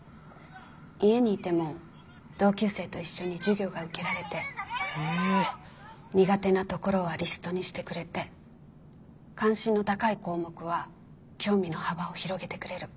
家にいても同級生と一緒に授業が受けられて苦手なところはリストにしてくれて関心の高い項目は興味の幅を広げてくれる。